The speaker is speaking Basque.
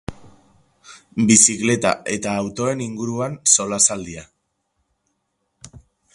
Bizikleta eta autoen inguruan solasaldia.